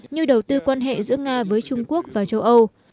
như đầu tư quan hệ giữa nga với trung quốc và châu âu